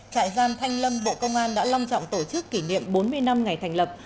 trại giam thanh lâm bộ công an đã long trọng tổ chức kỷ niệm bốn mươi năm ngày thành lập